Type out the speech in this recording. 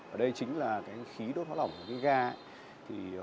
ở đây chính là khí đốt hóa lỏng của cái ga